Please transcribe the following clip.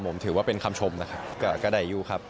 ผมถือว่าเป็นคำชมนะครับ